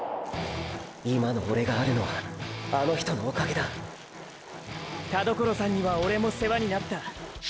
今のオレがあるのはあの人のおかげだ田所さんにはオレも世話になった。